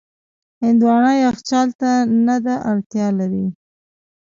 هندوانه یخچال ته نه ده اړتیا لري.